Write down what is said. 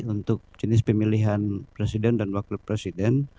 untuk jenis pemilihan presiden dan wakil presiden